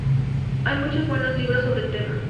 Hay muchos buenos libros sobre el tema.